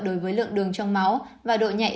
đối với lượng đường trong máu và độ nhạy